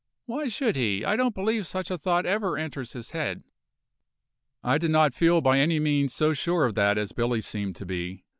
"Why should he. I don't believe such a thought ever enters his head." I did not feel by any means so sure of that as Billy seemed to be.